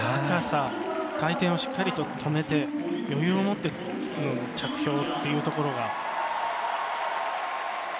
高さ、回転をしっかり止めて余裕を持って着氷というところが。